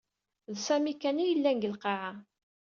D Sami kan i yellan deg lqaɛa.